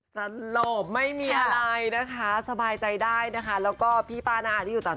สลบมาไหมลายนะคะสบายใจได้นะคะแล้วก็เพียงป้าหน้ามีวิดัง